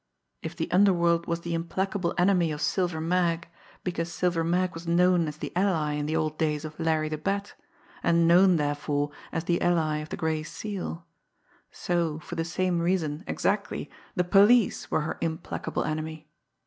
If the underworld was the implacable enemy of Silver Mag, because Silver Mag was known as the ally in the old days of Larry the Bat, and known, therefore, as the ally of the Gray Seal; so, for the same reason exactly, the police were her implacable enemy!